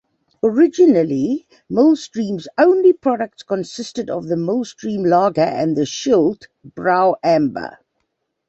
Originally Millstream's only products consisted of the Millstream Lager and the Schild Brau Amber.